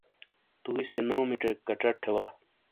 توئی سے نومی چیک کچٹ تھے وا۔